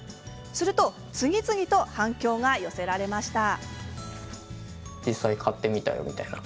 すると次々と反響が寄せられました。